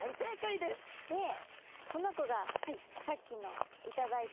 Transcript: でこの子がさっきの頂いた。